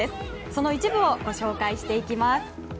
その一部をご紹介していきます。